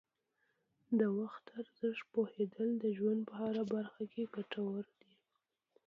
د وخت ارزښت پوهیدل د ژوند په هره برخه کې ګټور دي.